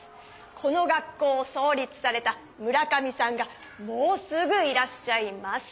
この学校をそう立された村上さんがもうすぐいらっしゃいます。